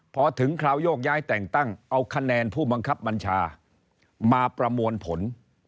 พอถึงคราวโยกย้ายแต่งตั้งเอาคะแนนผู้บังคับบัญชามาประมวลผล